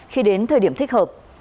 khi đến thời điểm thích hợp